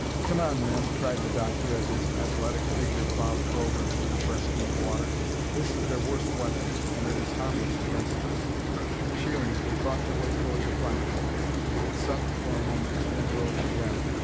"Come on, men!" cried the Doctor as his athletic figure plowed forward through the breast deep water. "That is their worst weapon and it is harmless against us!" Cheering, they fought their way toward the platform. It sunk for a moment and then rose again.